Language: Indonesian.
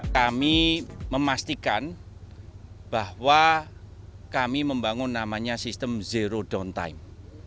kami memastikan bahwa kami membangun namanya sistem zero down time